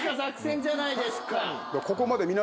ここまで。